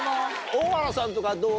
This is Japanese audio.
大原さんとかどう？